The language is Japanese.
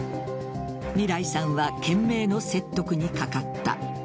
みらいさんは懸命の説得にかかった。